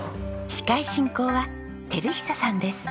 司会進行は照久さんです。